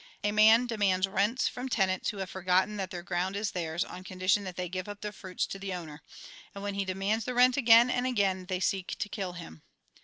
A man demands rents from tenants who have forgotten that their ground is theirs on condition that they give up the fruits to the owner ; and when he demands the rent again and again, they seek to kill him.